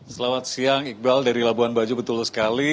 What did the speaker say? selamat siang iqbal dari labuan bajo betul sekali